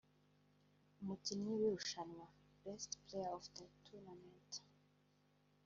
Umukinnyi w’irushanwa (Best Player of the Tournament)